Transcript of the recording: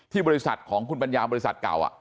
บริษัทของคุณปัญญาบริษัทเก่า